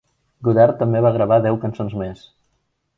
Godard també va gravar deu cançons més.